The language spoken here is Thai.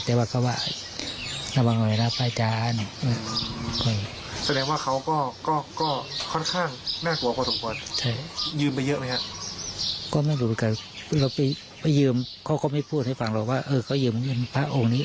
แต่ว่าไม่เคยเราเคยมาเล่าให้ฟังเหรอ